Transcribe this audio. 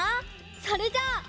それじゃあ。